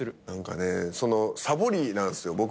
何かねサボりなんすよ。